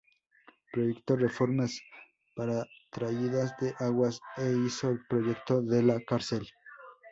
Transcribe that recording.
Proyectó reformas para traídas de aguas e hizo el proyecto de la cárcel.